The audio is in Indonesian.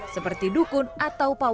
seperti dukun atau pawasan